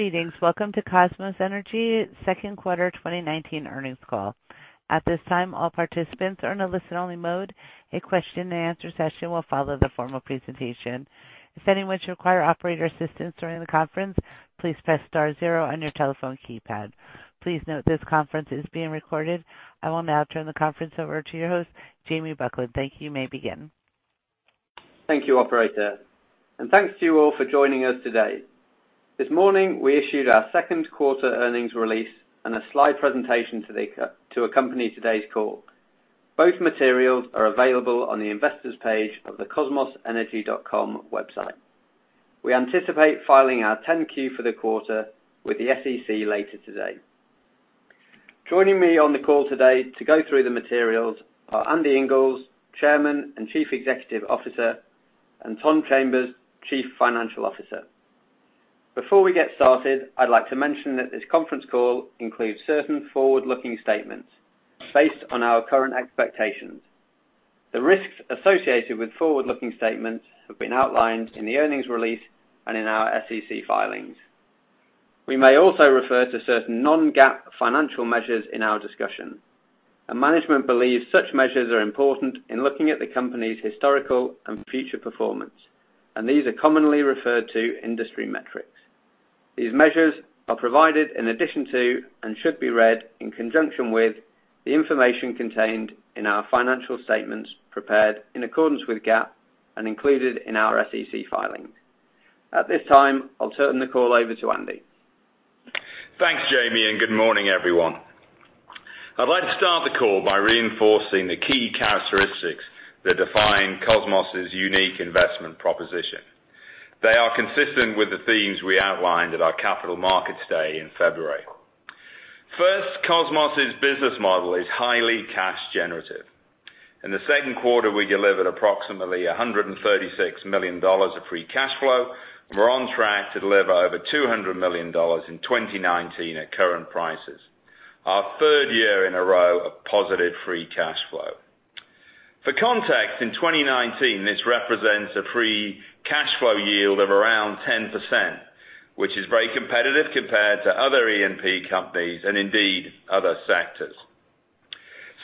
Greetings. Welcome to Kosmos Energy second quarter 2019 earnings call. At this time, all participants are in a listen-only mode. A question-and-answer session will follow the formal presentation. If there is anyone to require operator assistance during the conference, please press star zero on your telephone keypad. Please note this conference is being recorded. I will now turn the conference over to your host, Jamie Buckland. Thank you. You may begin. Thank you, operator, and thanks to you all for joining us today. This morning, we issued our second quarter earnings release and a slide presentation to accompany today's call. Both materials are available on the investors page of the kosmosenergy.com website. We anticipate filing our 10-Q for the quarter with the SEC later today. Joining me on the call today to go through the materials are Andy Inglis, Chairman and Chief Executive Officer, and Thomas Chambers, Chief Financial Officer. Before we get started, I'd like to mention that this conference call includes certain forward-looking statements based on our current expectations. The risks associated with forward-looking statements have been outlined in the earnings release and in our SEC filings. We may also refer to certain non-GAAP financial measures in our discussion. A management believes such measures are important in looking at the company's historical and future performance, and these are commonly referred to industry metrics. These measures are provided in addition to and should be read in conjunction with the information contained in our financial statements prepared in accordance with GAAP and included in our SEC filings. At this time, I'll turn the call over to Andy. Thanks, Jamie, and good morning, everyone. I'd like to start the call by reinforcing the key characteristics that define Kosmos' unique investment proposition. They are consistent with the themes we outlined at our capital markets day in February. First, Kosmos's business model is highly cash generative. In the second quarter, we delivered approximately $136 million of free cash flow. We're on track to deliver over $200 million in 2019 at current prices. Our third year in a row of positive free cash flow. For context, in 2019, this represents a free cash flow yield of around 10%, which is very competitive compared to other E&P companies, and indeed, other sectors.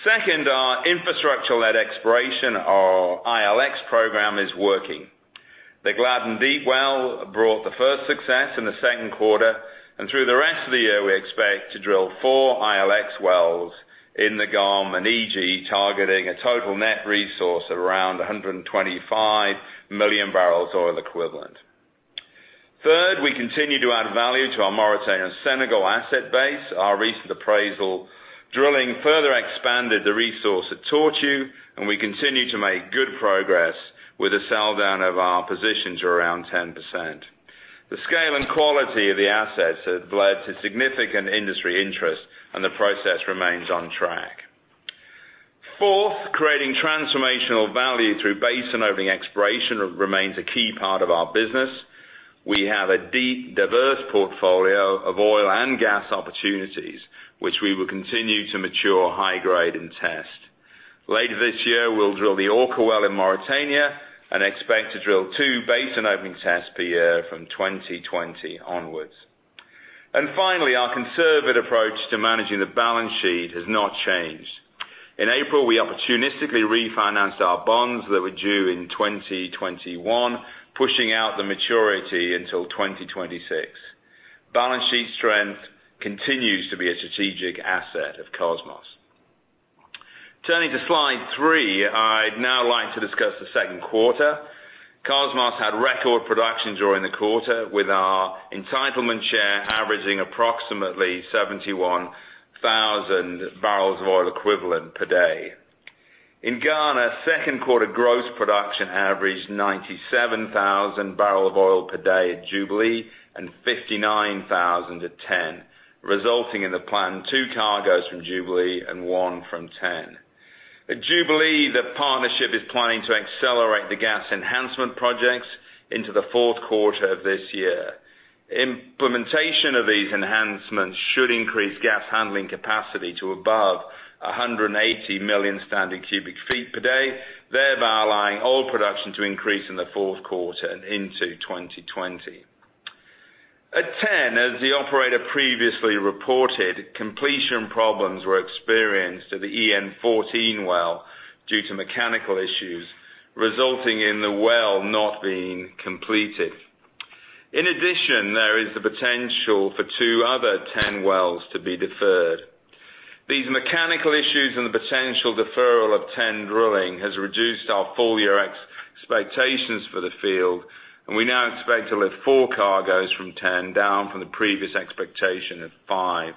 Second, our infrastructure-led exploration, or ILX program, is working. The Gladden Deep well brought the first success in the second quarter. Through the rest of the year, we expect to drill four ILX wells in the GoM and EG, targeting a total net resource of around 125 million barrels oil equivalent. Third, we continue to add value to our Mauritania and Senegal asset base. Our recent appraisal drilling further expanded the resource at Tortue. We continue to make good progress with the sell down of our positions around 10%. The scale and quality of the assets have led to significant industry interest. The process remains on track. Fourth, creating transformational value through basin opening exploration remains a key part of our business. We have a deep, diverse portfolio of oil and gas opportunities, which we will continue to mature high-grade and test. Later this year, we'll drill the Orca well in Mauritania and expect to drill two basin opening tests per year from 2020 onwards. Finally, our conservative approach to managing the balance sheet has not changed. In April, we opportunistically refinanced our bonds that were due in 2021, pushing out the maturity until 2026. Balance sheet strength continues to be a strategic asset of Kosmos. Turning to slide three, I'd now like to discuss the second quarter. Kosmos had record production during the quarter with our entitlement share averaging approximately 71,000 barrels of oil equivalent per day. In Ghana, second quarter gross production averaged 97,000 barrel of oil per day at Jubilee and 59,000 at TEN, resulting in the planned two cargos from Jubilee and one from TEN. At Jubilee, the partnership is planning to accelerate the gas enhancement projects into the fourth quarter of this year. Implementation of these enhancements should increase gas handling capacity to above 180 million standard cubic feet per day, thereby allowing oil production to increase in the fourth quarter and into 2020. At TEN, as the operator previously reported, completion problems were experienced at the EN-14 well due to mechanical issues, resulting in the well not being completed. In addition, there is the potential for two other TEN wells to be deferred. These mechanical issues and the potential deferral of TEN drilling has reduced our full-year expectations for the field, and we now expect to lift four cargos from TEN, down from the previous expectation of five.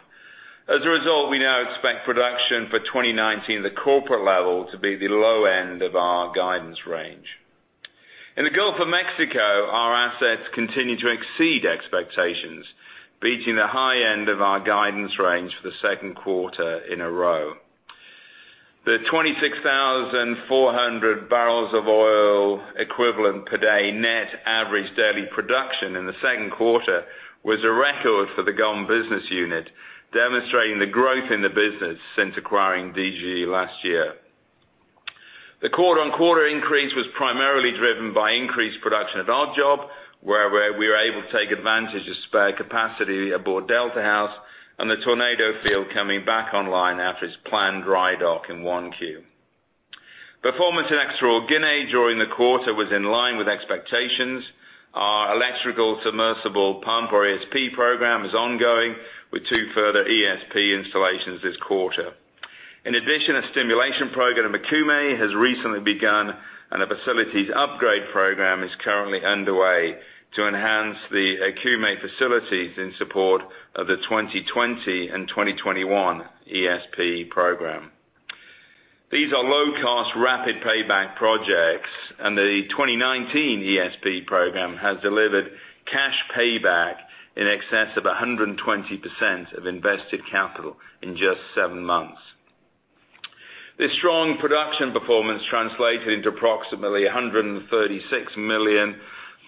As a result, we now expect production for 2019 at the corporate level to be the low end of our guidance range. In the Gulf of Mexico, our assets continue to exceed expectations, beating the high end of our guidance range for the second quarter in a row. The 26,400 barrels of oil equivalent per day net average daily production in the second quarter was a record for the GoM business unit, demonstrating the growth in the business since acquiring DGE last year. The quarter-on-quarter increase was primarily driven by increased production at Oddjob, where we are able to take advantage of spare capacity aboard Delta House and the Tornado field coming back online after its planned dry dock in 1Q. Performance in Equatorial Guinea during the quarter was in line with expectations. Our electrical submersible pump or ESP program is ongoing with two further ESP installations this quarter. In addition, a stimulation program in Okume has recently begun, and a facilities upgrade program is currently underway to enhance the Okume facilities in support of the 2020 and 2021 ESP program. These are low-cost, rapid payback projects, and the 2019 ESP program has delivered cash payback in excess of 120% of invested capital in just seven months. This strong production performance translated into approximately $136 million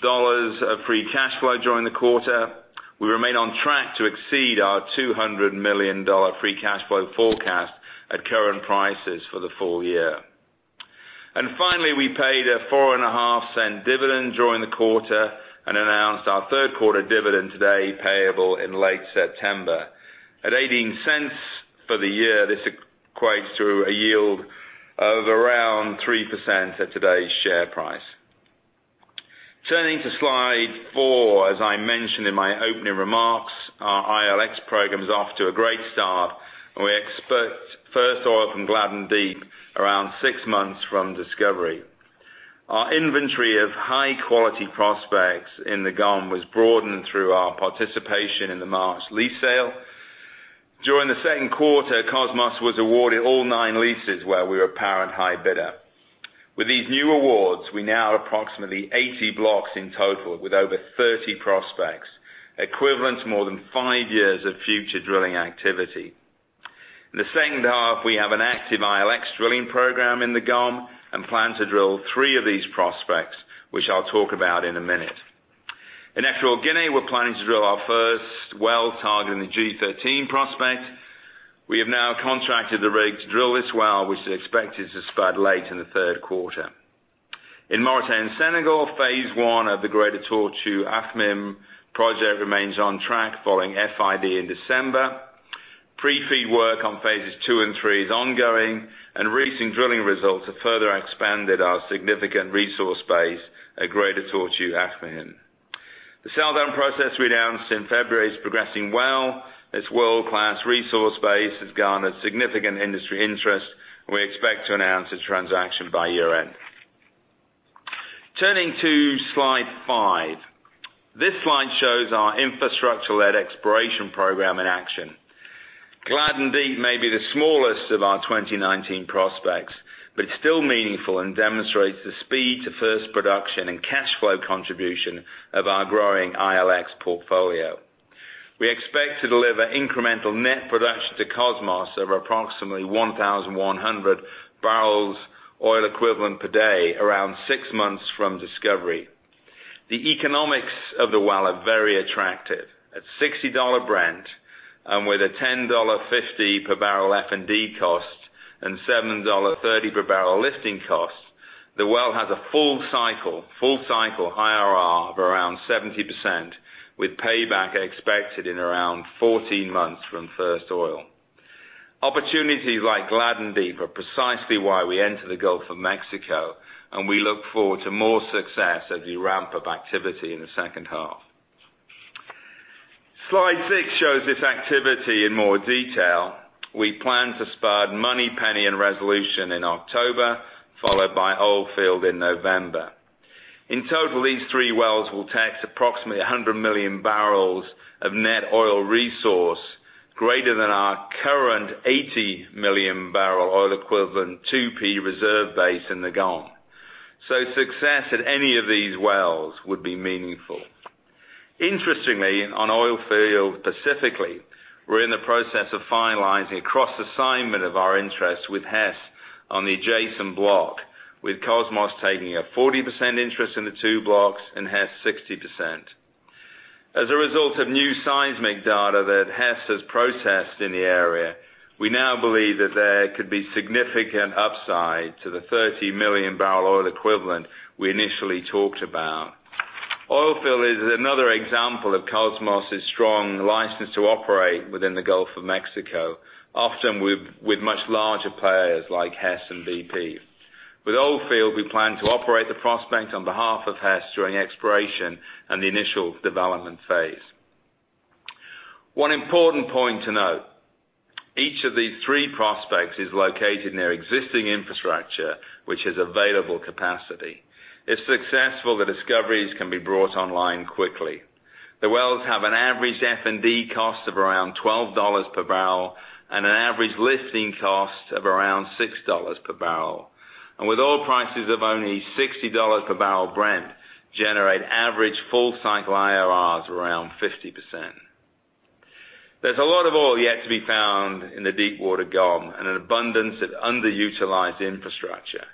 of free cash flow during the quarter. We remain on track to exceed our $200 million free cash flow forecast at current prices for the full year. Finally, we paid a $0.045 dividend during the quarter and announced our third quarter dividend today, payable in late September. At $0.18 for the year, this equates to a yield of around 3% at today's share price. Turning to Slide four, as I mentioned in my opening remarks, our ILX program is off to a great start, and we expect first oil from Gladden Deep around six months from discovery. Our inventory of high-quality prospects in the GoM was broadened through our participation in the March lease sale. During the second quarter, Kosmos was awarded all nine leases where we were apparent high bidder. With these new awards, we now have approximately 80 blocks in total with over 30 prospects, equivalent to more than five years of future drilling activity. In the second half, we have an active ILX drilling program in the GoM and plan to drill three of these prospects, which I'll talk about in a minute. In Equatorial Guinea, we're planning to drill our first well targeting the G13 prospect. We have now contracted the rig to drill this well, which is expected to spud late in the third quarter. In Mauritania and Senegal, phase one of the Greater Tortue Ahmeyim project remains on track following FID in December. Pre-feed work on phases 2 and 3 is ongoing, and recent drilling results have further expanded our significant resource base at Greater Tortue Ahmeyim. The sell-down process we announced in February is progressing well. This world-class resource base has garnered significant industry interest, and we expect to announce a transaction by year-end. Turning to Slide 5. This slide shows our infrastructure-led exploration program in action. Gladden Deep may be the smallest of our 2019 prospects, but it's still meaningful and demonstrates the speed to first production and cash flow contribution of our growing ILX portfolio. We expect to deliver incremental net production to Kosmos of approximately 1,100 barrels oil equivalent per day around six months from discovery. The economics of the well are very attractive. At $60 Brent and with a $10.50 per barrel F&D cost and $7.30 per barrel lifting cost, the well has a full cycle IRR of around 70%, with payback expected in around 14 months from first oil. Opportunities like Gladden Deep are precisely why we entered the Gulf of Mexico, and we look forward to more success as we ramp up activity in the second half. Slide six shows this activity in more detail. We plan to spud Moneypenny and Resolution in October, followed by Oldfield in November. In total, these three wells will tax approximately 100 million barrels of net oil resource greater than our current 80 million barrel oil equivalent 2P reserve base in the GoM. Success at any of these wells would be meaningful. Interestingly, on Oldfield specifically, we're in the process of finalizing a cross assignment of our interests with Hess on the adjacent block, with Kosmos taking a 40% interest in the two blocks and Hess 60%. As a result of new seismic data that Hess has processed in the area, we now believe that there could be significant upside to the 30 million barrel oil equivalent we initially talked about. Oldfield is another example of Kosmos's strong license to operate within the Gulf of Mexico, often with much larger players like Hess and BP. With Oldfield, we plan to operate the prospect on behalf of Hess during exploration and the initial development phase. One important point to note, each of these three prospects is located near existing infrastructure, which has available capacity. If successful, the discoveries can be brought online quickly. The wells have an average F&D cost of around $12 per barrel and an average lifting cost of around $6 per barrel. With oil prices of only $60 per barrel Brent, generate average full cycle IRRs around 50%. There's a lot of oil yet to be found in the Deepwater GoM and an abundance of underutilized infrastructure.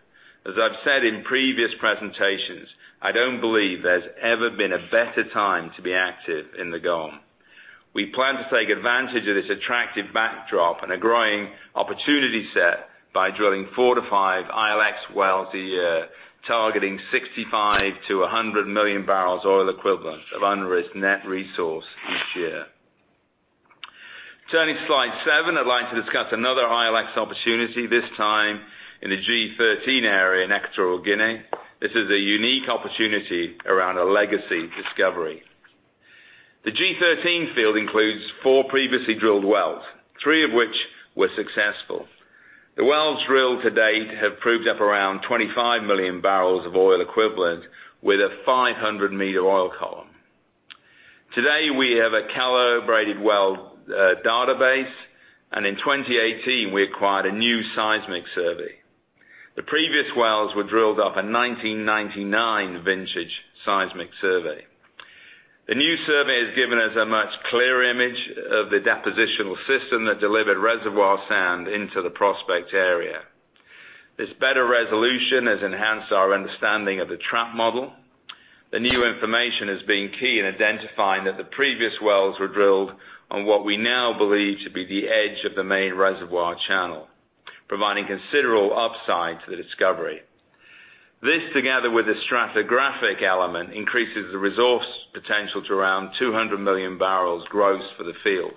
As I've said in previous presentations, I don't believe there's ever been a better time to be active in the GoM. We plan to take advantage of this attractive backdrop and a growing opportunity set by drilling four to five ILX wells a year, targeting 65 million barrels oil equivalent-100 million barrels oil equivalent of unrisked net resource each year. Turning to slide seven, I'd like to discuss another ILX opportunity, this time in the G13 area in Equatorial Guinea. This is a unique opportunity around a legacy discovery. The G13 field includes four previously drilled wells, three of which were successful. The wells drilled to date have proved up around 25 million barrels of oil equivalent with a 500-meter oil column. Today, we have a calibrated well database, and in 2018, we acquired a new seismic survey. The previous wells were drilled off a 1999 vintage seismic survey. The new survey has given us a much clearer image of the depositional system that delivered reservoir sand into the prospect area. This better resolution has enhanced our understanding of the trap model. The new information has been key in identifying that the previous wells were drilled on what we now believe to be the edge of the main reservoir channel, providing considerable upside to the discovery. This, together with the stratigraphic element, increases the resource potential to around 200 million barrels gross for the field.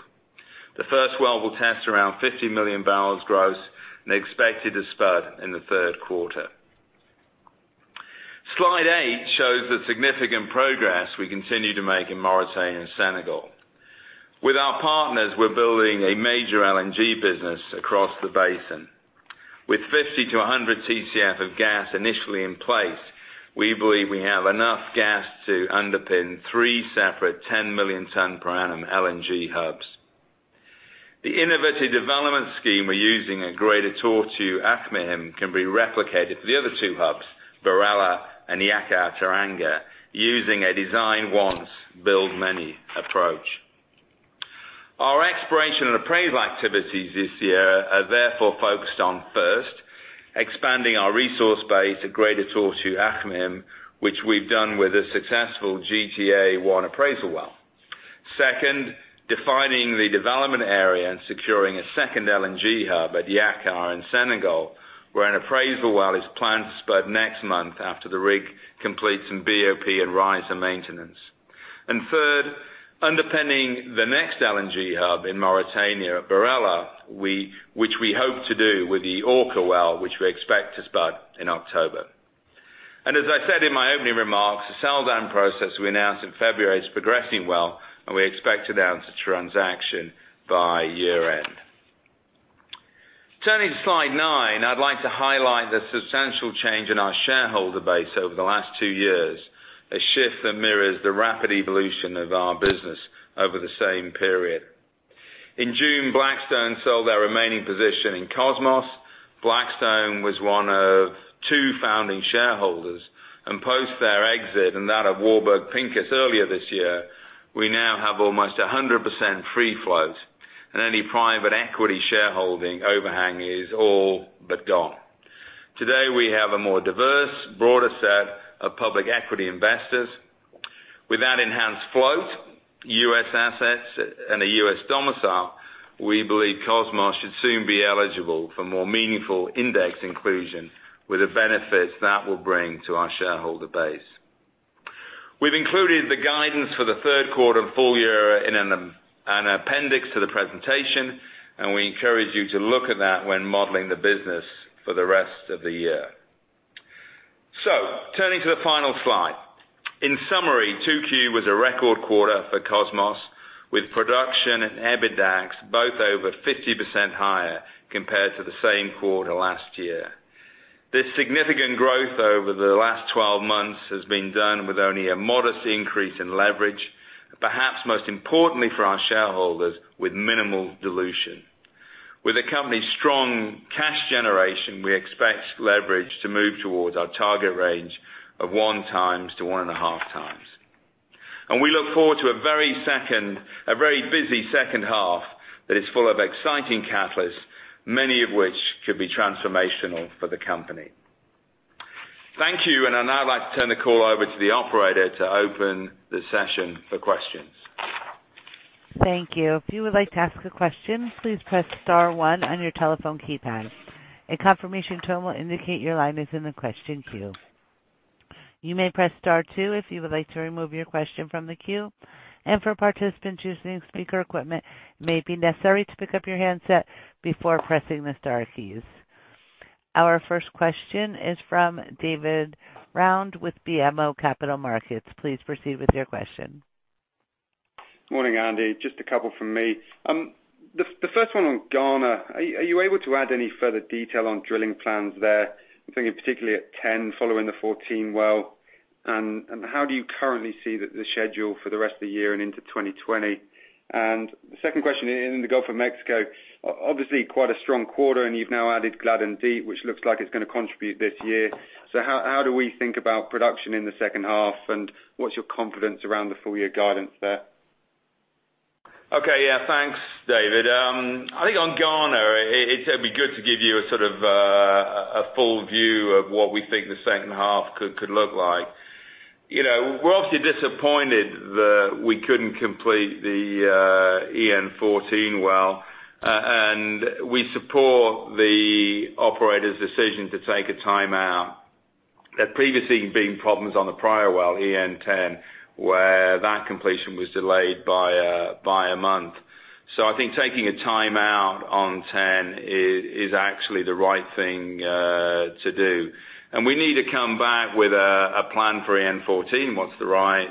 The first well will test around 50 million barrels gross and expected to spud in the third quarter. Slide eight shows the significant progress we continue to make in Mauritania and Senegal. With our partners, we're building a major LNG business across the basin. With 50 to 100 TCF of gas initially in place, we believe we have enough gas to underpin three separate 10-million-ton per annum LNG hubs. The innovative development scheme we're using at Greater Tortue Ahmeyim can be replicated for the other two hubs, BirAllah and Yakaar-Teranga, using a design-once-build-many approach. Our exploration and appraisal activities this year are therefore focused on, first, expanding our resource base at Greater Tortue Ahmeyim, which we've done with a successful GTA-1 appraisal well. Second, defining the development area and securing a second LNG hub at Yakaar in Senegal, where an appraisal well is planned to spud next month after the rig completes some BOP and riser maintenance. Third, underpinning the next LNG hub in Mauritania at Barela, which we hope to do with the Orca well, which we expect to spud in October. As I said in my opening remarks, the sell-down process we announced in February is progressing well, and we expect to announce a transaction by year-end. Turning to slide nine, I'd like to highlight the substantial change in our shareholder base over the last two years, a shift that mirrors the rapid evolution of our business over the same period. In June, Blackstone sold their remaining position in Kosmos. Blackstone was one of two founding shareholders. Post their exit, and that of Warburg Pincus earlier this year, we now have almost 100% free float, and any private equity shareholding overhang is all but gone. Today, we have a more diverse, broader set of public equity investors. With that enhanced float, U.S. assets, and a U.S. domicile, we believe Kosmos should soon be eligible for more meaningful index inclusion with the benefits that will bring to our shareholder base. We've included the guidance for the third quarter and full year in an appendix to the presentation, and we encourage you to look at that when modeling the business for the rest of the year. Turning to the final slide. In summary, 2Q was a record quarter for Kosmos, with production and EBITDAX both over 50% higher compared to the same quarter last year. This significant growth over the last 12 months has been done with only a modest increase in leverage, perhaps most importantly for our shareholders, with minimal dilution. With the company's strong cash generation, we expect leverage to move towards our target range of one times to one and a half times. We look forward to a very busy second half that is full of exciting catalysts, many of which could be transformational for the company. Thank you. I'd now like to turn the call over to the operator to open the session for questions. Thank you. If you would like to ask a question, please press star one on your telephone keypad. A confirmation tone will indicate your line is in the question queue. You may press star two if you would like to remove your question from the queue. For participants using speaker equipment, it may be necessary to pick up your handset before pressing the star keys. Our first question is from David Round with BMO Capital Markets. Please proceed with your question. Morning, Andy. Just a couple from me. The first one on Ghana. Are you able to add any further detail on drilling plans there? I'm thinking particularly at 10 following the 14 well. How do you currently see the schedule for the rest of the year and into 2020? The second question, in the Gulf of Mexico, obviously quite a strong quarter, and you've now added Gladden Deep, which looks like it's going to contribute this year. How do we think about production in the second half, and what's your confidence around the full-year guidance there? Okay, yeah. Thanks, David. I think on Ghana, it'd be good to give you a sort of a full view of what we think the second half could look like. We're obviously disappointed that we couldn't complete the EN-14 well, and we support the operator's decision to take a timeout. There previously have been problems on the prior well, EN-10, where that completion was delayed by a month. I think taking a timeout on 10 is actually the right thing to do. We need to come back with a plan for EN-14, what's the right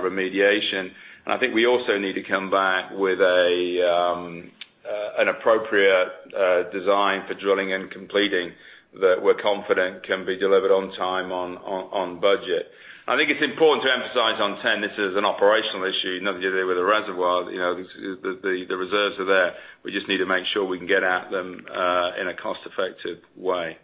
remediation. I think we also need to come back with an appropriate design for drilling and completing that we're confident can be delivered on time, on budget. I think it's important to emphasize on 10 this is an operational issue, nothing to do with the reservoir. The reserves are there. We just need to make sure we can get at them in a cost-effective way.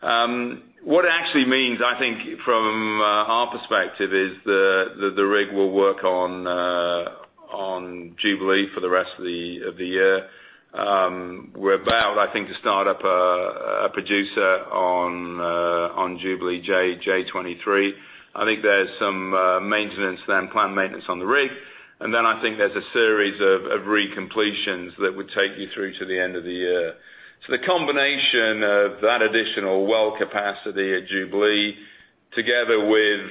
What it actually means, I think, from our perspective, is the rig will work on Jubilee for the rest of the year. We're about, I think, to start up a producer on Jubilee, J-23. I think there's some maintenance then, planned maintenance on the rig. Then I think there's a series of re-completions that would take you through to the end of the year. The combination of that additional well capacity at Jubilee together with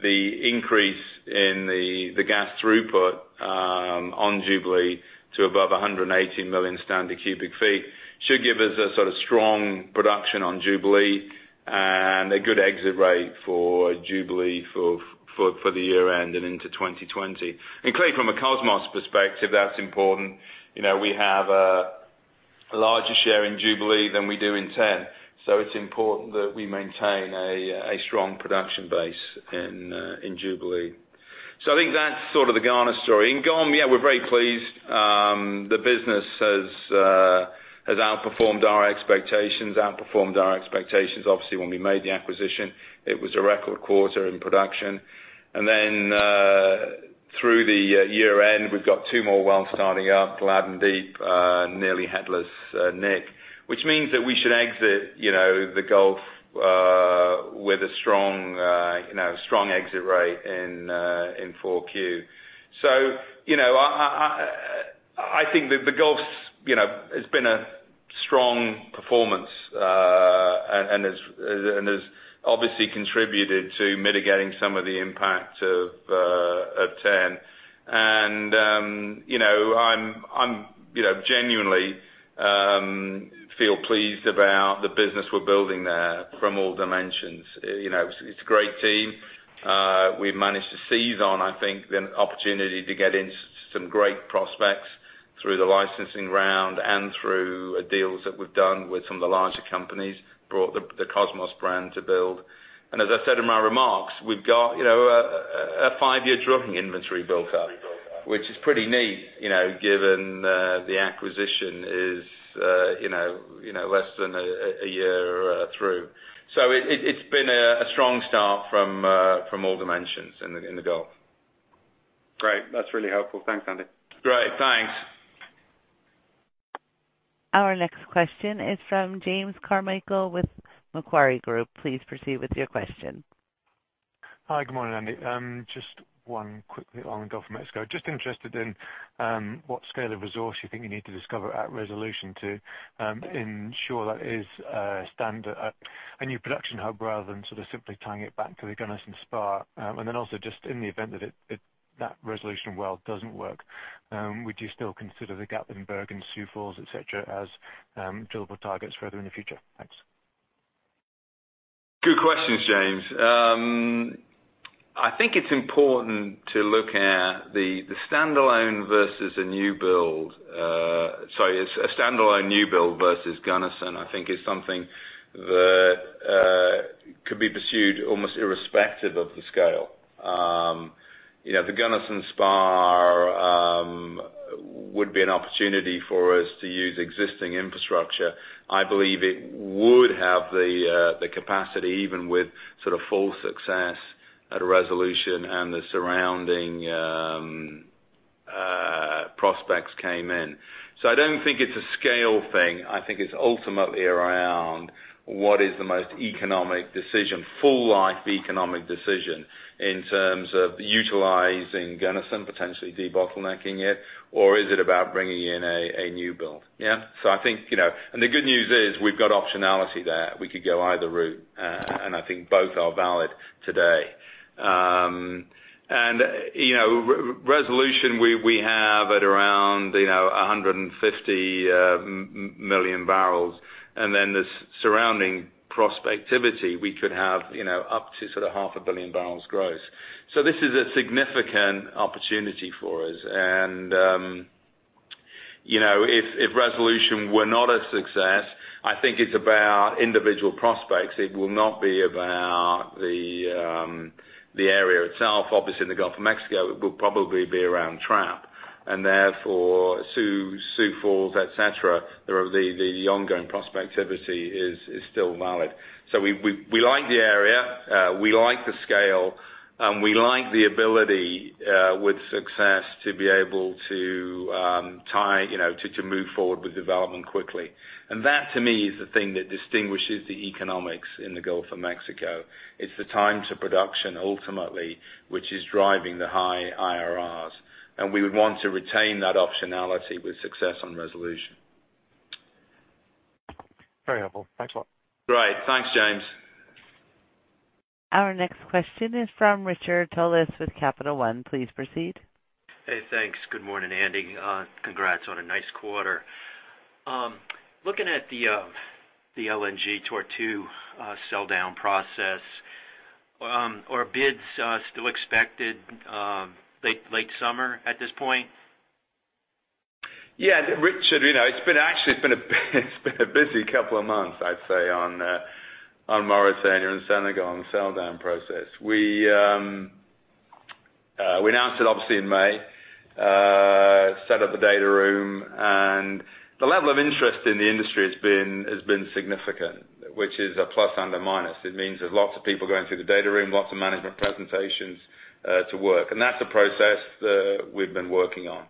the increase in the gas throughput on Jubilee to above 180 million standard cubic feet should give us a sort of strong production on Jubilee and a good exit rate for Jubilee for the year-end and into 2020. Clearly from a Kosmos perspective, that's important. We have a larger share in Jubilee than we do in 10. It's important that we maintain a strong production base in Jubilee. I think that's sort of the Ghana story. In Ghana, yeah, we're very pleased. The business has outperformed our expectations. Outperformed our expectations, obviously, when we made the acquisition. It was a record quarter in production. Through the year-end, we've got two more wells starting up, Gladden Deep, Nearly Headless Nick, which means that we should exit the Gulf with a strong exit rate in 4Q. I think that the Gulf has been a strong performance, and has obviously contributed to mitigating some of the impact of 10. I genuinely feel pleased about the business we're building there from all dimensions. It's a great team. We've managed to seize on, I think, the opportunity to get into some great prospects through the licensing round and through deals that we've done with some of the larger companies, brought the Kosmos brand to build. As I said in my remarks, we've got a five-year drilling inventory built up, which is pretty neat given the acquisition is less than a year through. It's been a strong start from all dimensions in the Gulf. Great. That's really helpful. Thanks, Andy. Great, thanks. Our next question is from James Carmichael with Macquarie Group. Please proceed with your question. Hi, good morning, Andy. Just one quickly on the Gulf of Mexico. Just interested in what scale of resource you think you need to discover at Resolution to ensure that is a new production hub rather than sort of simply tying it back to the Gunnison spar. Also just in the event that that Resolution well doesn't work, would you still consider the Gatlinburg and Sioux Falls, et cetera, as drillable targets further in the future? Thanks. Good questions, James. I think it's important to look at the standalone versus a new build. Sorry, a standalone new build versus Gunnison, I think is something that could be pursued almost irrespective of the scale. The Gunnison spar would be an opportunity for us to use existing infrastructure. I believe it would have the capacity, even with sort of full success at Resolution and the surrounding prospects came in. I don't think it's a scale thing. I think it's ultimately around what is the most economic decision, full life economic decision in terms of utilizing Gunnison, potentially debottlenecking it, or is it about bringing in a new build? The good news is we've got optionality there. We could go either route, and I think both are valid today. Resolution, we have at around 150 million barrels. The surrounding prospectivity, we could have up to sort of half a billion barrels gross. This is a significant opportunity for us. If Resolution were not a success, I think it's about individual prospects. It will not be about the area itself. Obviously in the Gulf of Mexico, it will probably be around trap, and therefore faults, et cetera, the ongoing prospectivity is still valid. We like the area. We like the scale. We like the ability, with success, to be able to move forward with development quickly. That, to me, is the thing that distinguishes the economics in the Gulf of Mexico. It's the time to production ultimately, which is driving the high IRRs, and we would want to retain that optionality with success on resolution. Very helpful. Thanks a lot. Great. Thanks, James. Our next question is from Richard Tullis with Capital One. Please proceed. Hey, thanks. Good morning, Andy. Congrats on a nice quarter. Looking at the LNG Tortue sell down process, are bids still expected late summer at this point? Yeah, Richard, actually it's been a busy couple of months, I'd say, on Mauritania and Senegal and the sell down process. We announced it obviously in May, set up the data room, and the level of interest in the industry has been significant, which is a plus and a minus. It means there's lots of people going through the data room, lots of management presentations to work, and that's a process that we've been working on.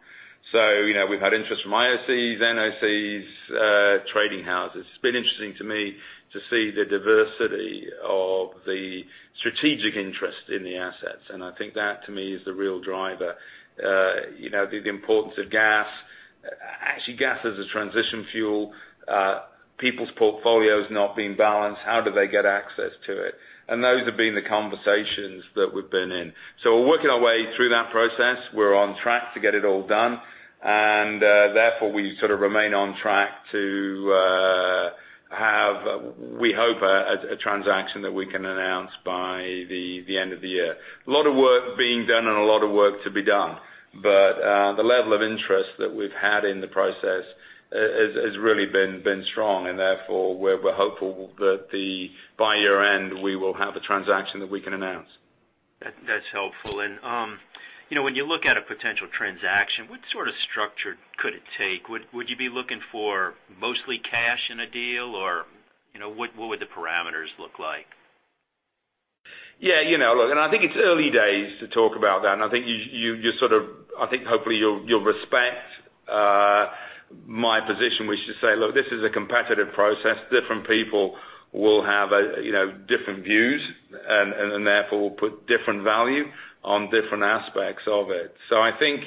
We've had interest from IOCs, NOCs, trading houses. It's been interesting to me to see the diversity of the strategic interest in the assets, and I think that, to me, is the real driver. The importance of gas. Actually, gas as a transition fuel. People's portfolios not being balanced. How do they get access to it? Those have been the conversations that we've been in. We're working our way through that process. We're on track to get it all done, therefore we sort of remain on track to have, we hope, a transaction that we can announce by the end of the year. A lot of work being done and a lot of work to be done. The level of interest that we've had in the process has really been strong, therefore, we're hopeful that by year-end, we will have a transaction that we can announce. That's helpful. When you look at a potential transaction, what sort of structure could it take? Would you be looking for mostly cash in a deal? What would the parameters look like? Yeah. Look, and I think it's early days to talk about that, and I think, hopefully, you'll respect my position, which is to say, look, this is a competitive process. Different people will have different views, and then therefore, will put different value on different aspects of it. I think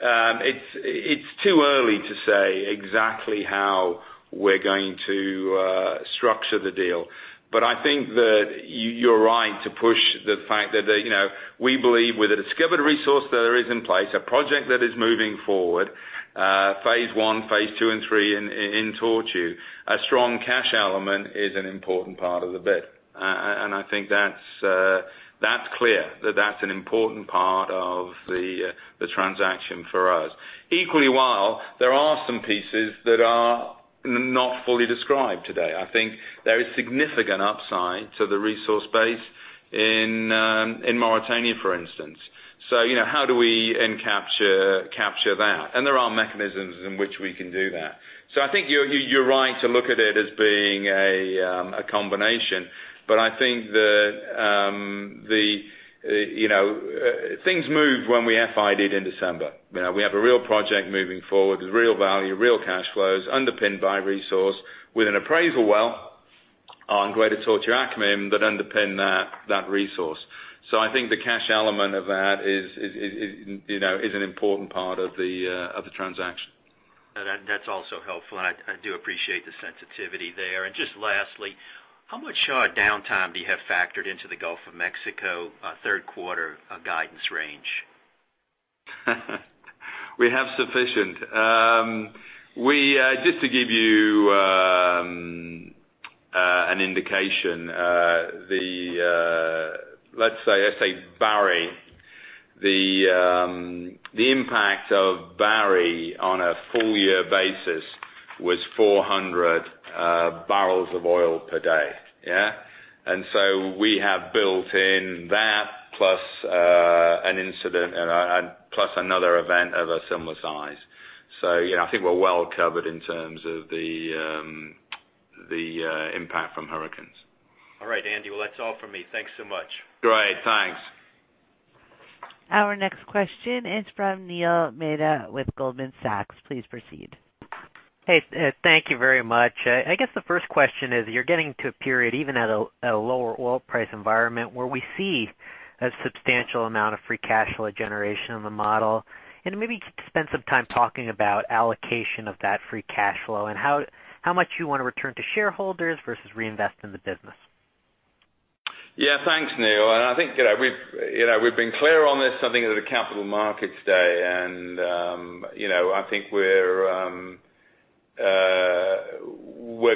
it's too early to say exactly how we're going to structure the deal. I think that you're right to push the fact that we believe with a discovered resource that is in place, a project that is moving forward, phase 1, phase 2 and 3 in Tortue. A strong cash element is an important part of the bid. I think that's clear that that's an important part of the transaction for us. Equally while, there are some pieces that are not fully described today. I think there is significant upside to the resource base in Mauritania, for instance. How do we capture that? There are mechanisms in which we can do that. I think you're right to look at it as being a combination, but I think that things moved when we FID-ed in December. We have a real project moving forward with real value, real cash flows underpinned by resource with an appraisal well on Greater Tortue Ahmeyim that underpin that resource. I think the cash element of that is an important part of the transaction. That's also helpful, I do appreciate the sensitivity there. Just lastly, how much shut downtime do you have factored into the Gulf of Mexico third quarter guidance range? We have sufficient. Just to give you an indication, let's say Barry. The impact of Barry on a full year basis was 400 barrels of oil per day. Yeah. We have built in that, plus another event of a similar size. I think we're well covered in terms of the impact from hurricanes. All right, Andy. Well, that's all from me. Thanks so much. Great, thanks. Our next question is from Neil Mehta with Goldman Sachs. Please proceed. Hey, thank you very much. I guess the first question is, you're getting to a period, even at a lower oil price environment, where we see a substantial amount of free cash flow generation in the model. Maybe spend some time talking about allocation of that free cash flow and how much you want to return to shareholders versus reinvest in the business. Yeah. Thanks, Neil. I think we've been clear on this, I think at the Capital Markets Day, and I think we're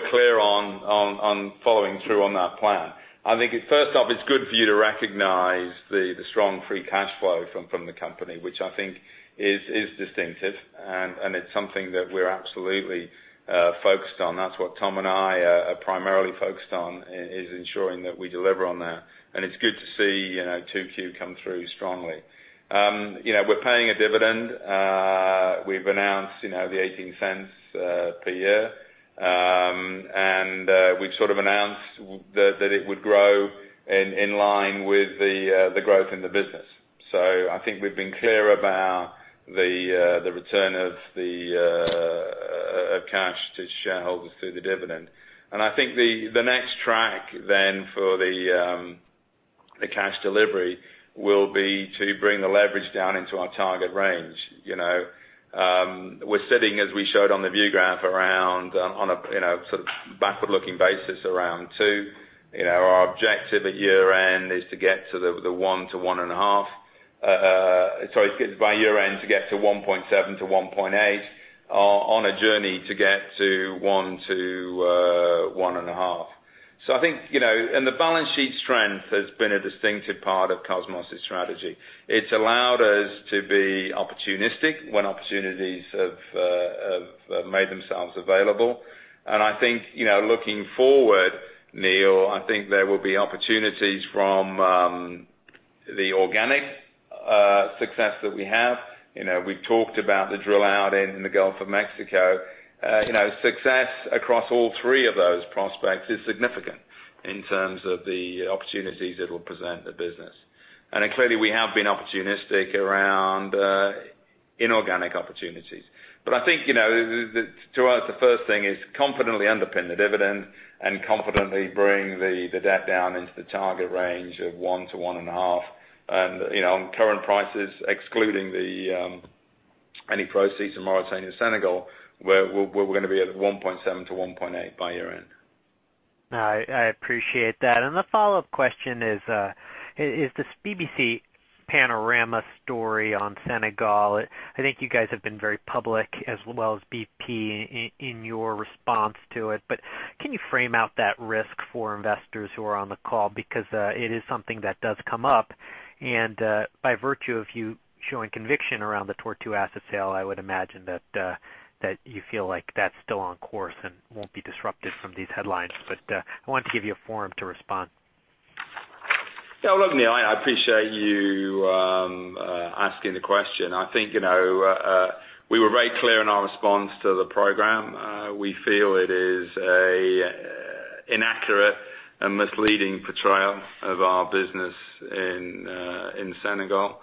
clear on following through on that plan. I think first off, it's good for you to recognize the strong free cash flow from the company, which I think is distinctive, and it's something that we're absolutely focused on. That's what Tom and I are primarily focused on, is ensuring that we deliver on that. It's good to see 2Q come through strongly. We're paying a dividend. We've announced the $0.18 per year. We've sort of announced that it would grow in line with the growth in the business. I think we've been clear about the return of cash to shareholders through the dividend. I think the next track then for the cash delivery will be to bring the leverage down into our target range. We're sitting, as we showed on the view graph, around on a sort of backward-looking basis, around 2. Our objective at year-end is to get to the 1 to 1.5. Sorry, by year-end, to get to 1.7 to 1.8 on a journey to get to 1 to 1.5. The balance sheet strength has been a distinctive part of Kosmos's strategy. It's allowed us to be opportunistic when opportunities have made themselves available. I think, looking forward, Neil, I think there will be opportunities from the organic success that we have. We've talked about the drill out in the Gulf of Mexico. Success across all three of those prospects is significant in terms of the opportunities it'll present the business. Clearly, we have been opportunistic around inorganic opportunities. I think, to us, the first thing is confidently underpin the dividend and confidently bring the debt down into the target range of one to one and a half. On current prices, excluding any proceeds in Mauritania Senegal, where we're going to be at 1.7-1.8 by year-end. I appreciate that. The follow-up question is this BBC Panorama story on Senegal. I think you guys have been very public, as well as BP in your response to it. Can you frame out that risk for investors who are on the call? Because it is something that does come up, and by virtue of you showing conviction around the Tortue asset sale, I would imagine that you feel like that's still on course and won't be disrupted from these headlines. I want to give you a forum to respond. Yeah. Look, Neil, I appreciate you asking the question. I think, we were very clear in our response to the program. We feel it is an inaccurate and misleading portrayal of our business in Senegal.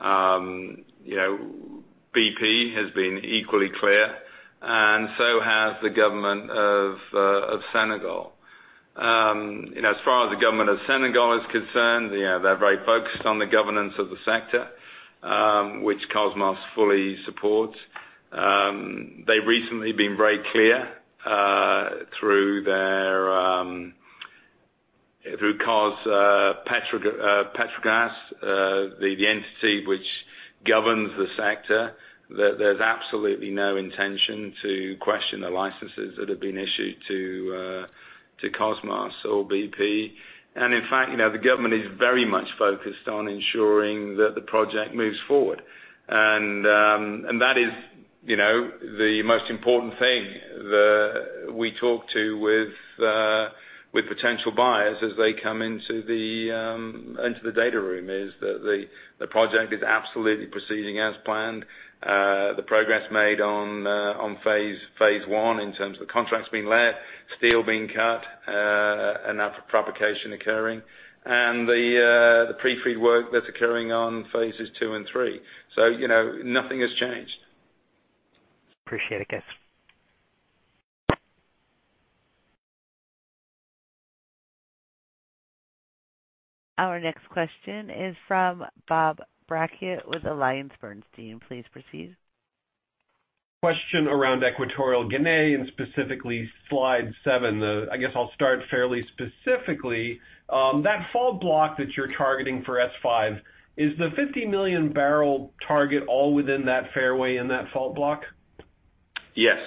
BP has been equally clear and so has the government of Senegal. As far as the government of Senegal is concerned, they're very focused on the governance of the sector, which Kosmos fully supports. They've recently been very clear, through COS-PETROGAZ, the entity which governs the sector, that there's absolutely no intention to question the licenses that have been issued to Kosmos or BP. In fact, the government is very much focused on ensuring that the project moves forward. That is the most important thing that we talk to with potential buyers as they come into the data room, is that the project is absolutely proceeding as planned. The progress made on phase 1 in terms of contracts being let, steel being cut, and that propagation occurring. The pre-feed work that's occurring on phases 2 and 3. Nothing has changed. Appreciate it, guys. Our next question is from Bob Brackett with AllianceBernstein. Please proceed. Question around Equatorial Guinea and specifically slide seven. I guess I'll start fairly specifically. That fault block that you're targeting for S5, is the 50-million barrel target all within that fairway in that fault block? Yes.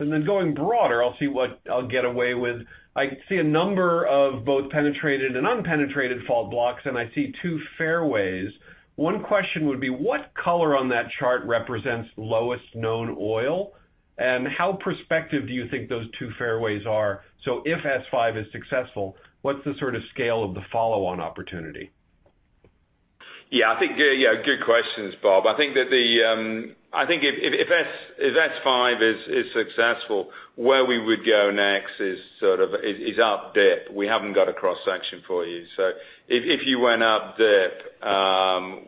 Going broader, I'll see what I'll get away with. I see a number of both penetrated and unpenetrated fault blocks, and I see two fairways. One question would be, what color on that chart represents lowest known oil, and how prospective do you think those two fairways are? If S5 is successful, what's the sort of scale of the follow-on opportunity? I think, good questions, Bob. I think if S5 is successful, where we would go next is up dip. We haven't got a cross-section for you. If you went up dip,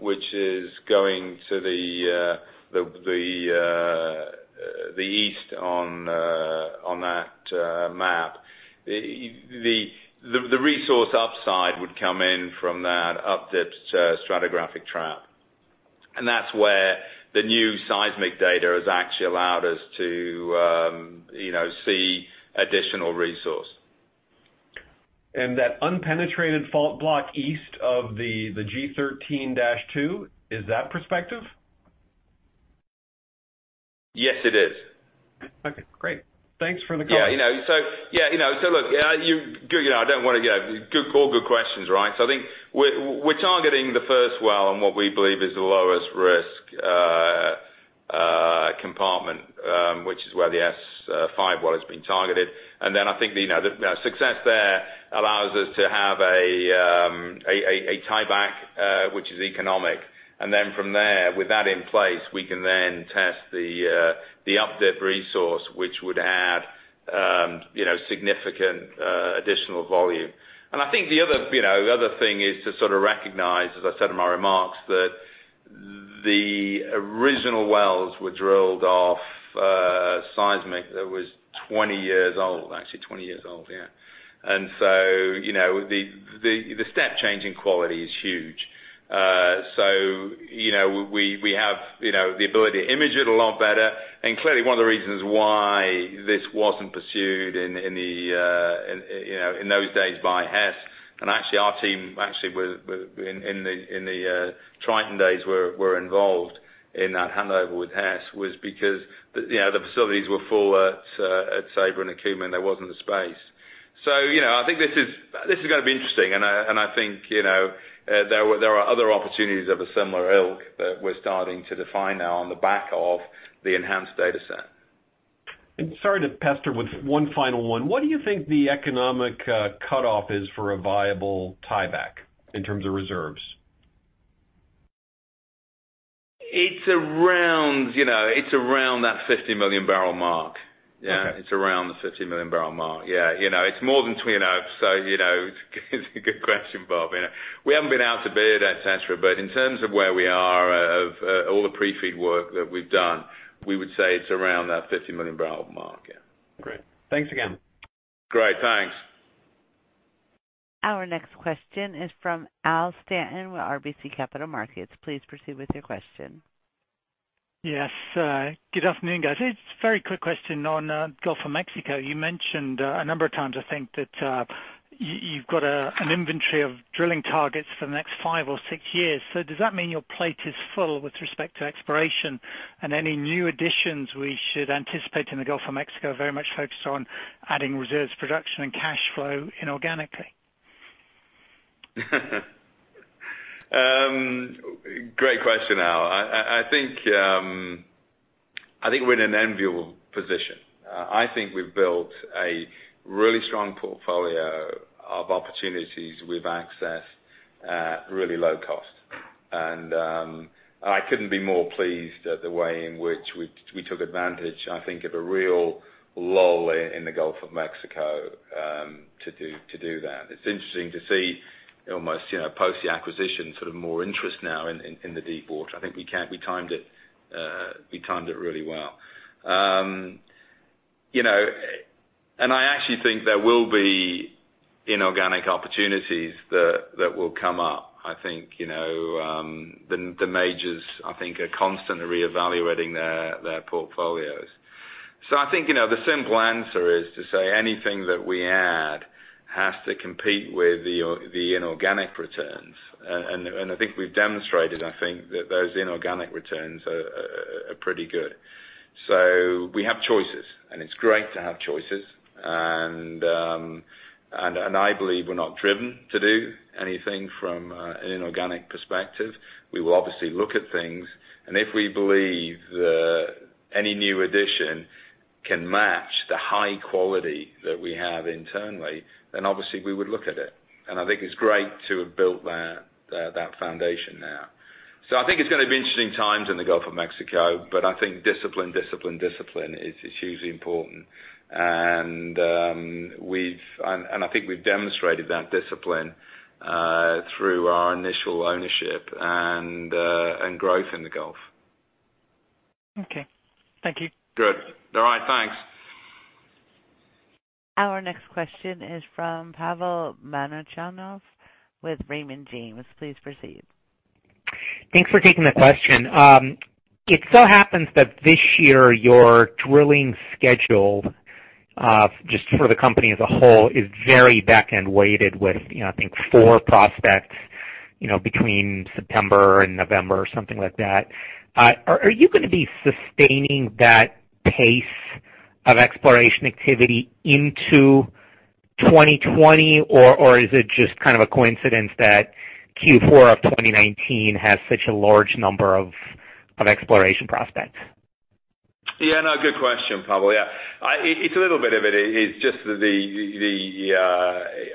which is going to the east on that map. The resource upside would come in from that up dip stratigraphic trap. That's where the new seismic data has actually allowed us to see additional resource. That unpenetrated fault block east of the G13-2, is that prospective? Yes, it is. Okay, great. Thanks for the call. Yeah. Look, good call, good questions, right? I think we're targeting the first well on what we believe is the lowest risk compartment, which is where the S5 well has been targeted. I think the success there allows us to have a tieback, which is economic. From there, with that in place, we can then test the up dip resource, which would add significant additional volume. I think the other thing is to sort of recognize, as I said in my remarks, that the original wells were drilled off a seismic that was 20 years old. Actually 20 years old, yeah. The step change in quality is huge. We have the ability to image it a lot better. Clearly, one of the reasons why this wasn't pursued in those days by Hess, and actually, our team in the Triton days were involved in that handover with Hess, was because the facilities were full at Sabre and Acumen. There wasn't the space. I think this is going to be interesting, and I think there are other opportunities of a similar ilk that we're starting to define now on the back of the enhanced data set. Sorry to pester with one final one. What do you think the economic cutoff is for a viable tieback in terms of reserves? It's around that 50 million barrel mark. Okay. It's around the $50 million barrel mark. It's a good question, Bob. We haven't been out to bid, et cetera, but in terms of where we are, of all the pre-feed work that we've done, we would say it's around that $50 million barrel mark. Great. Thanks again. Great. Thanks. Our next question is from Al Stanton with RBC Capital Markets. Please proceed with your question. Yes. Good afternoon, guys. It's a very quick question on Gulf of Mexico. You mentioned a number of times, I think, that you've got an inventory of drilling targets for the next five or six years. Does that mean your plate is full with respect to exploration and any new additions we should anticipate in the Gulf of Mexico, very much focused on adding reserves production and cash flow inorganically? Great question, Al. I think we're in an enviable position. I think we've built a really strong portfolio of opportunities with access at really low cost. I couldn't be more pleased at the way in which we took advantage, I think, of a real lull in the Gulf of Mexico, to do that. It's interesting to see almost post the acquisition, sort of more interest now in the deep water. I think we timed it really well. I actually think there will be inorganic opportunities that will come up. I think the majors are constantly reevaluating their portfolios. I think the simple answer is to say anything that we add has to compete with the inorganic returns. I think we've demonstrated that those inorganic returns are pretty good. We have choices, and it's great to have choices. I believe we're not driven to do anything from an inorganic perspective. We will obviously look at things, and if we believe that any new addition can match the high quality that we have internally, then obviously we would look at it. I think it's great to have built that foundation now. I think it's going to be interesting times in the Gulf of Mexico, but I think discipline is hugely important. I think we've demonstrated that discipline through our initial ownership and growth in the Gulf. Okay. Thank you. Good. All right. Thanks. Our next question is from Pavel Molchanov with Raymond James. Please proceed. Thanks for taking the question. It so happens that this year, your drilling schedule, just for the company as a whole, is very back-end weighted with, I think, four prospects between September and November, or something like that. Are you going to be sustaining that pace of exploration activity into 2020, or is it just a coincidence that Q4 of 2019 has such a large number of exploration prospects? Yeah. No, good question, Pavel. Yeah. It's a little bit of it. It's just that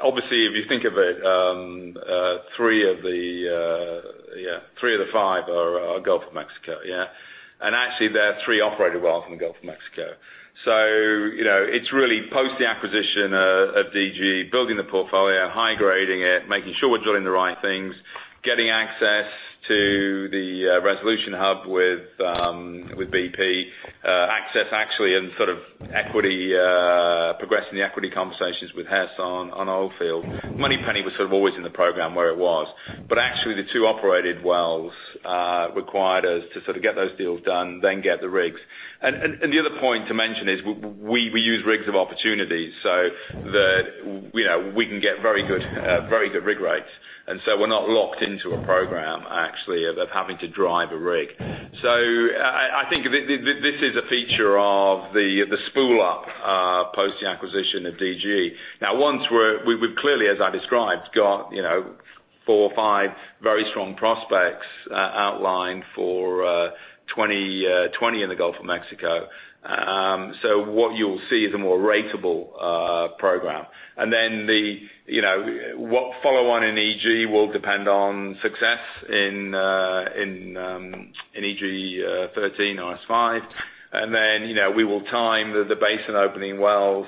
obviously, if you think of it, three of the five are Gulf of Mexico, yeah. Actually, they are three operated wells in the Gulf of Mexico. It's really post the acquisition of DG, building the portfolio, high-grading it, making sure we're drilling the right things, getting access to the resolution hub with BP, access actually, and sort of progressing the equity conversations with Hess on Oldfield. Moneypenny was sort of always in the program where it was. Actually, the two operated wells required us to sort of get those deals done, then get the rigs. The other point to mention is we use rigs of opportunity so that we can get very good rig rates. We're not locked into a program, actually, of having to drive a rig. I think this is a feature of the spool up, post the acquisition of DG. Now, once we've clearly, as I described, got four or five very strong prospects outlined for 2020 in the Gulf of Mexico. What you will see is a more ratable program. Then what follow on in EG will depend on success in EG 13 RS-5. Then, we will time the basin opening wells,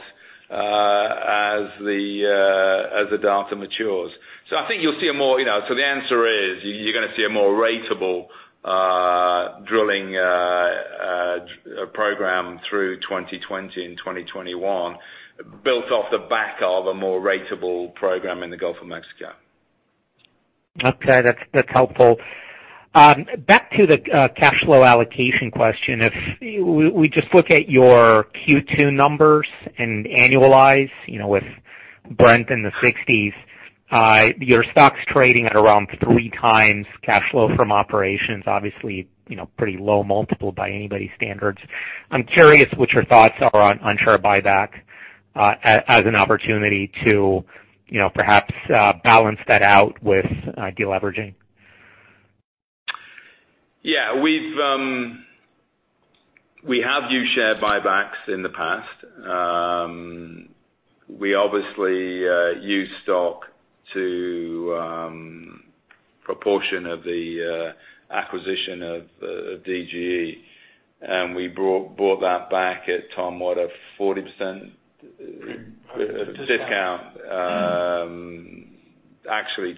As the data matures. The answer is, you're going to see a more ratable drilling program through 2020 and 2021, built off the back of a more ratable program in the Gulf of Mexico. Okay, that's helpful. Back to the cash flow allocation question. If we just look at your Q2 numbers and annualize with Brent in the 60s, your stock's trading at around three times cash flow from operations. Obviously, pretty low multiple by anybody's standards. I'm curious what your thoughts are on share buyback as an opportunity to perhaps balance that out with de-leveraging. Yeah. We have used share buybacks in the past. We obviously used stock to proportion of the acquisition of DGE, and we bought that back at, Tom, what? A 40% discount. Actually,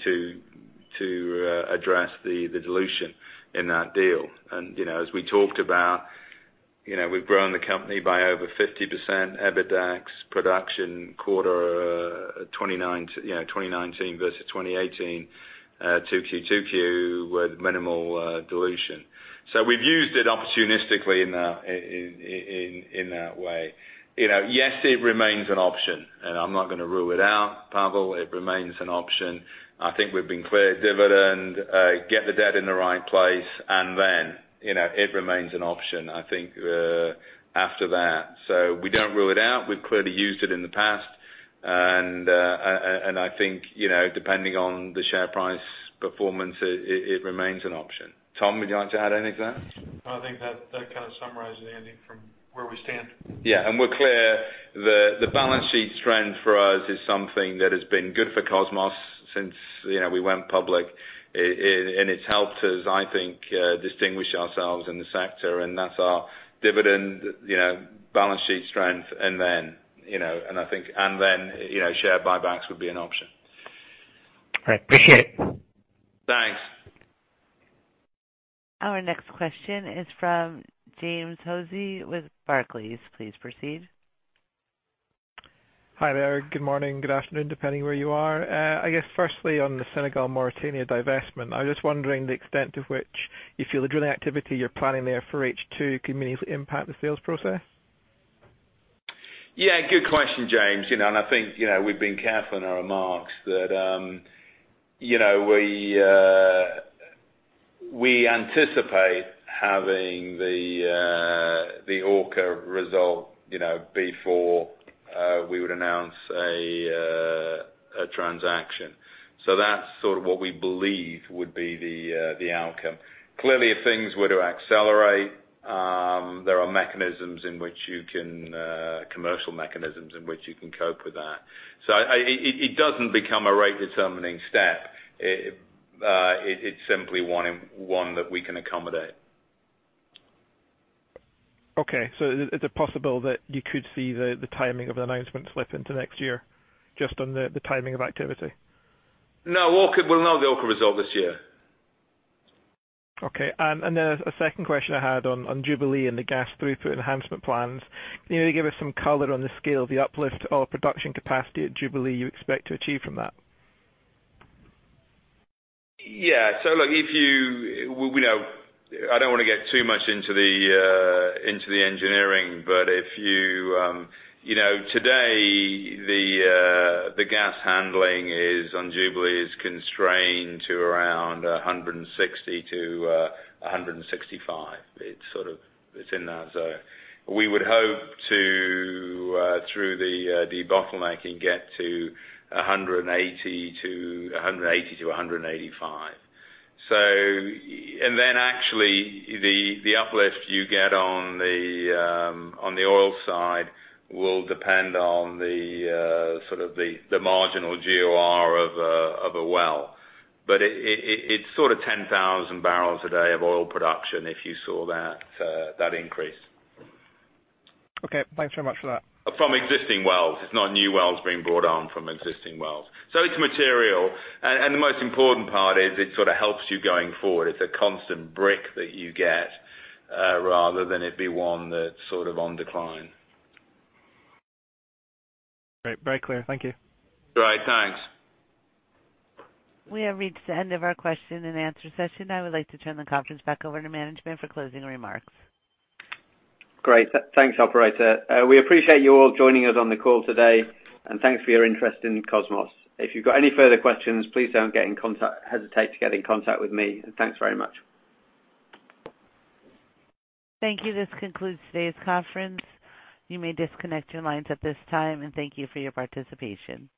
to address the dilution in that deal. As we talked about, we've grown the company by over 50% EBITDA production quarter 2019 versus 2018, 2Q with minimal dilution. We've used it opportunistically in that way. Yes, it remains an option, and I'm not going to rule it out, Pavel. It remains an option. I think we've been clear. Dividend, get the debt in the right place, and then it remains an option, I think, after that. We don't rule it out. We've clearly used it in the past. I think, depending on the share price performance, it remains an option. Tom, would you like to add anything? No, I think that kind of summarizes, Andy, from where we stand. Yeah. We're clear the balance sheet strength for us is something that has been good for Kosmos since we went public. It's helped us, I think, distinguish ourselves in the sector, and that's our dividend balance sheet strength. Then share buybacks would be an option. All right. Appreciate it. Thanks. Our next question is from James Hosie with Barclays. Please proceed. Hi there. Good morning, good afternoon, depending where you are. I guess firstly, on the Senegal Mauritania divestment, I was just wondering the extent of which you feel the drilling activity you're planning there for H2 could meaningfully impact the sales process? Yeah, good question, James. I think we've been careful in our remarks that we anticipate having the Orca result before we would announce a transaction. That's sort of what we believe would be the outcome. Clearly, if things were to accelerate, there are commercial mechanisms in which you can cope with that. It doesn't become a rate determining step. It's simply one that we can accommodate. Okay. Is it possible that you could see the timing of the announcement slip into next year just on the timing of activity? No. We'll know the Orca result this year. Okay. A second question I had on Jubilee and the gas throughput enhancement plans. Can you give us some color on the scale of the uplift oil production capacity at Jubilee you expect to achieve from that? Yeah. I don't want to get too much into the engineering. Today, the gas handling on Jubilee is constrained to around 160-165. It's in that zone. We would hope to, through the bottleneck, get to 180-185. Then actually, the uplift you get on the oil side will depend on the marginal GOR of a well. It's sort of 10,000 barrels a day of oil production if you saw that increase. Okay. Thanks very much for that. From existing wells. It's not new wells being brought on from existing wells. It's material. The most important part is it sort of helps you going forward. It's a constant brick that you get rather than it be one that's sort of on decline. Great. Very clear. Thank you. All right. Thanks. We have reached the end of our question and answer session. I would like to turn the conference back over to management for closing remarks. Great. Thanks, operator. We appreciate you all joining us on the call today, and thanks for your interest in Kosmos. If you've got any further questions, please don't hesitate to get in contact with me. Thanks very much. Thank you. This concludes today's conference. You may disconnect your lines at this time, and thank you for your participation.